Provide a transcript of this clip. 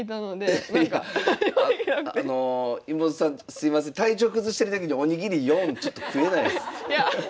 すいません体調崩してる時にお握り４ちょっと食えないっす。